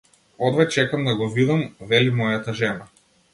Одвај чекам да го видам, вели мојата жена.